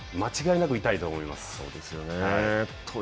間違いなく痛いと思います。